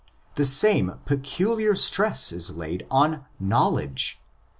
The same peculiar stress is laid on ''knowledge"' (γνῶσις).